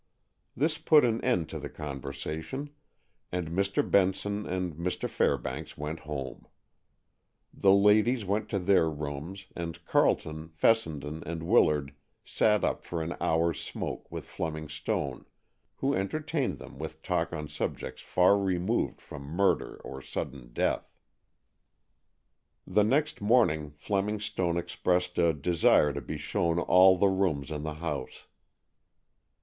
This put an end to the conversation, and Mr. Benson and Mr. Fairbanks went home. The ladies went to their rooms, and Carleton, Fessenden and Willard sat up for an hour's smoke with Fleming Stone, who entertained them with talk on subjects far removed from murder or sudden death. The next morning Fleming Stone expressed a desire to be shown all the rooms in the house.